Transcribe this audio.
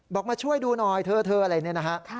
มาช่วยดูหน่อยเธออะไรเนี่ยนะฮะ